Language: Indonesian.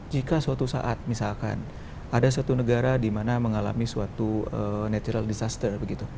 jika suatu saat misalkan ada satu negara di mana mengalami suatu natural disaster begitu